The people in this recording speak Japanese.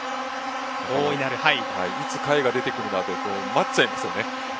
いつ甲斐が出てくるんだと待ってしまいますよね。